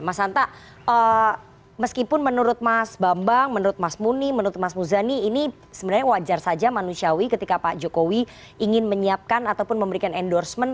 karena meskipun menurut mas bambang menurut mas muni menurut mas muzani ini sebenarnya wajar saja manusiawi ketika pak jokowi ingin menyiapkan ataupun memberikan endorsement